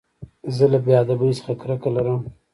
زه له بېادبۍ څخه کرکه لرم.